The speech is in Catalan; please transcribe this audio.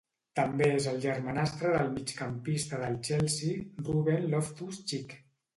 També és el germanastre del migcampista del Chelsea Ruben Loftus-Cheek.